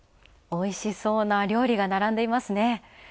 おいしそうな料理が並んでいますね。